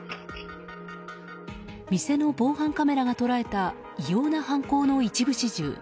店の防犯カメラが捉えた異様な犯行の一部始終。